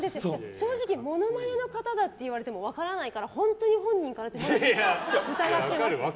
正直モノマネの方だといわれても分からないから本当に本人かなと疑ってます。